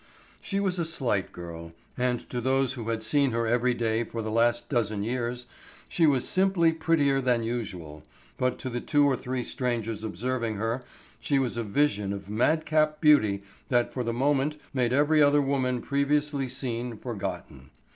She was a slight girl, and to those who had seen her every day for the last dozen years she was simply prettier than usual, but to the two or three strangers observing her she was a vision of madcap beauty that for the moment made every other woman previously seen forgotten.